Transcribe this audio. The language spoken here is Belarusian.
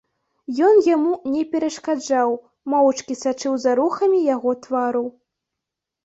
Ён яму не перашкаджаў, моўчкі сачыў за рухамі яго твару.